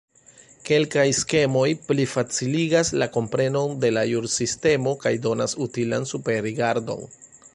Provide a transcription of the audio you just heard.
Kelkaj skemoj plifaciligas la komprenon de la jursistemo kaj donas utilan superrigardon.